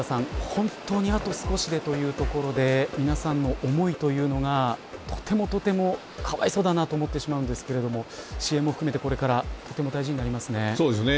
本当にあと少しでというところで皆さんの思いというのがとてもとてもかわいそうだなと思ってしまうんですが支援も含めて、これからとても大事になりますね。